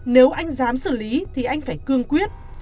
nếu anh dám xử lý thì anh phải cương quyết